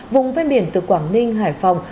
vùng phía biển từ quảng ninh hải phòng